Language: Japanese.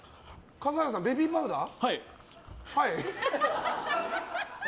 笠原さん、ベビーパウダー？